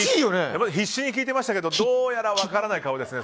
必死に聞いてましたけどどうやら分からない顔ですね